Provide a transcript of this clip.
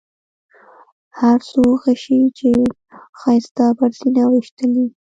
هر څو غشي چې ښایسته پر سینه ویشتلي.